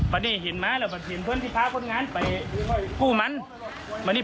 ไป